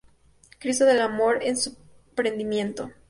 Cristo del Amor en su Prendimiento.